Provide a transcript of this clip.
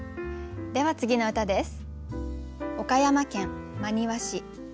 では次の歌です。